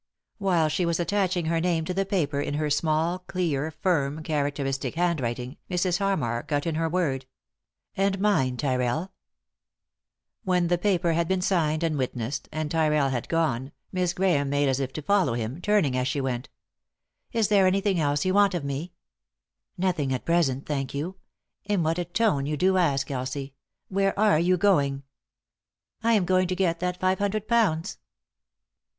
While she was attaching her name to the paper in her small, clear, firm, characteristic handwriting, Mrs. Harmar got in her word. "And mine, Tyrrell." 201 3i 9 iii^d by Google THE INTERRUPTED KISS When the paper had been signed and witnessed, and Tyrrell had gone, Miss Grahame made as if to follow him, turning as she went. " Is there anything else you want of me ?"" Nothing, at present, thank you. In what a tone you do ask, Elsie I Where are you going f "" I am going to get that five hundred pounds."